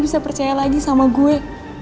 bisa percaya lagi sama gue